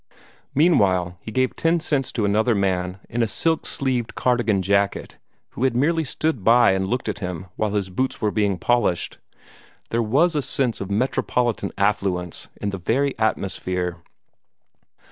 Meanwhile he gave ten cents to another man in a silk sleeved cardigan jacket, who had merely stood by and looked at him while his boots were being polished. There was a sense of metropolitan affluence in the very atmosphere.